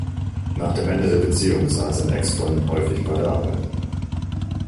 Nach dem Ende der Beziehung sah er seine Ex-Freundin häufig bei der Arbeit.